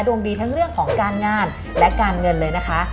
ดวงดีทั้งเรื่องของการงานและการเงินเลยนะคะ